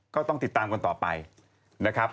ก็ต้องติดตามกันต่อไปนะครับ